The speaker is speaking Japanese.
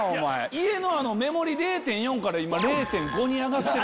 家の目盛り０．４から今０．５に上がってる。